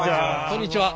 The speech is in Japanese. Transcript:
こんにちは。